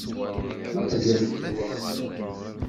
Neṭgemt!